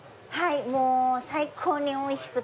もう最高に美味しくて。